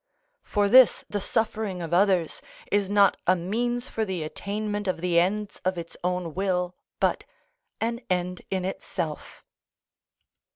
For this the suffering of others is not a means for the attainment of the ends of its own will, but an end in itself.